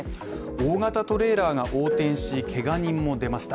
大型トレーラーが横転し、けが人も出ました